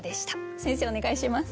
先生お願いします。